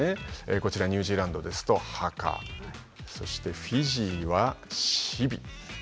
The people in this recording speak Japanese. こちらニュージーランドですとハカそしてフィジーはシビ。